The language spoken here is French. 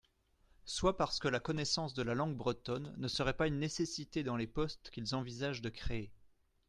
Soit parce que la connaissance de la langue bretonne ne serait pas une nécessité dans les postes qu’ils envisagent de créer.